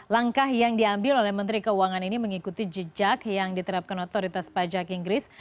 langkah yang diambil oleh menteri keuangan ini mengikuti jejak yang diterapkan otoritas pajak inggris